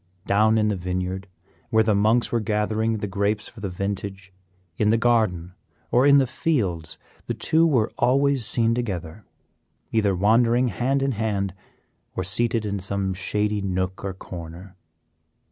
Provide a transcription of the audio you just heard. Down in the vineyard, where the monks were gathering the grapes for the vintage, in the garden, or in the fields, the two were always seen together, either wandering hand in hand, or seated in some shady nook or corner.